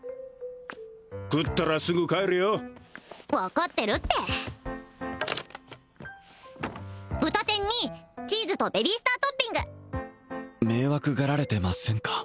食ったらすぐ帰れよ分かってるって豚天にチーズとベビースタートッピング迷惑がられてませんか？